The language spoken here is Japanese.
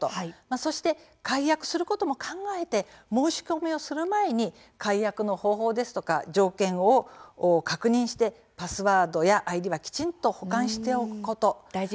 そして解約することも考えて申し込みをする前に解約の方法ですとか条件をきちんと確認してパスワードやＩＤを保管しておくこと。